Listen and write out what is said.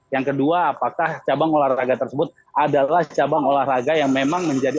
yang kedua apakah cabang olahraga tersebut adalah cabang olahraga yang memang menjadi